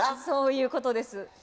そういうことです。